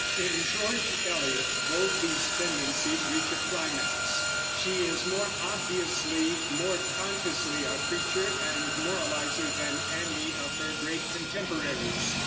In George Eliot both these tendencies reach a climax. She is more obviously, more consciously a preacher and moralizer than any of her great contemporaries.